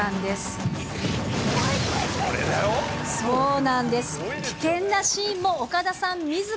そうなんです。